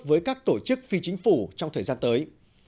với các tổ chức phi chính phủ trong thời gian tới